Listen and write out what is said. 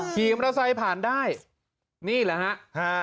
หยีมรสัยผ่านได้นี่แหละฮะฮ่า